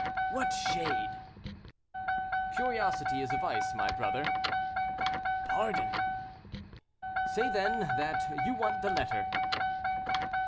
"What shade?" "Curiosity is a vice, my brother." "Pardon!" "Say then that you want the letter."